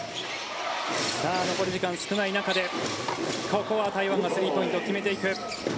残り時間少ない中でここは台湾がスリーポイントを決めていく。